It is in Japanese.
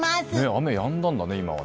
雨やんだんだね、今は。